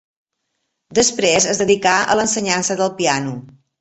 Després es dedicà a l'ensenyança del piano.